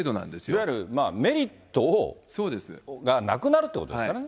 いわゆるメリットがなくなるということですからね。